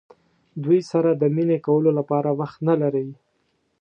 دوی سره د مینې کولو لپاره وخت نه لرئ.